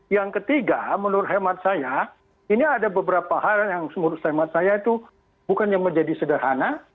yang ketiga menurut hemat saya ini ada beberapa hal yang menurut saya itu bukan yang menjadi sederhana